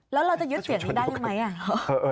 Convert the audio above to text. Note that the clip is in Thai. แล้วเราจะยึดเสียงนี้ได้ใช่ไหม